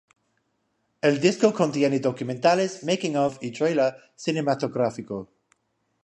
El disco contiene documentales, making of y trailer cinematográfico.